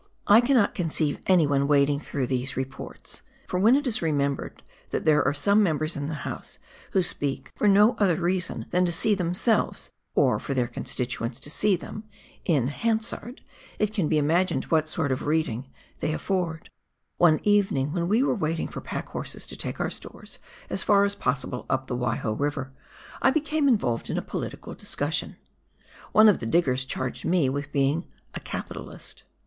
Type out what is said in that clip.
I cannot conceive anyone wading through these Reports, for when it is remembered that there are some members in the House who speak for no other reason WAIHO EIVEll FRANZ JOSEF GLACIER, 47 than to see themselves (or for their constituents to see them) in "Hansard," it can be imagined what sort of reading they afford. One evening, when we were waiting for pack horses to take our stores as far as possible up the AYaiho E iver, I became involved in a political discussion. One of the diggers charged me with being " a capitalist."